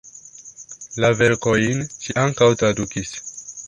La verkojn ŝi ankaŭ tradukis.